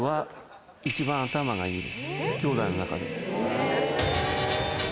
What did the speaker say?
きょうだいの中で。